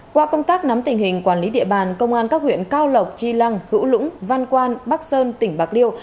qua công tác nắm tình hình quản lý địa bàn công an các huyện cao lộc chi lăng hữu lũng văn quan bắc sơn tỉnh bạc liêu